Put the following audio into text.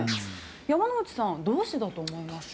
山之内さんどうしてだと思います？